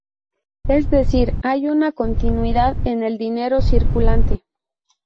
Es decir, hay una continuidad en el dinero circulante.